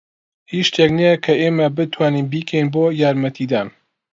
هیچ شتێک نییە کە ئێمە بتوانین بیکەین بۆ یارمەتیدان.